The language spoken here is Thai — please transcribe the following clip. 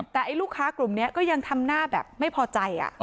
แต่ไอ้ลูกค้ากลุ่มนี้ก็ยังทำหน้าแบบไม่พอใจ